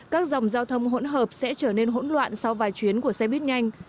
các dòng giao thông hỗn hợp sẽ trở nên hỗn loạn sau vài chuyến của xe buýt nhanh